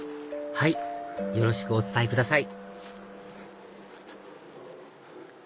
はいよろしくお伝えください